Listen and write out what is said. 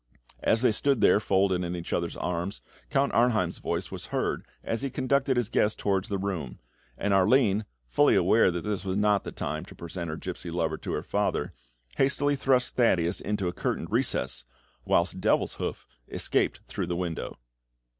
As they stood there, folded in each other's arms, Count Arnheim's voice was heard as he conducted his guests towards the room; and Arline, fully aware that this was not the time to present her gipsy lover to her father, hastily thrust Thaddeus into a curtained recess, whilst Devilshoof escaped through the window.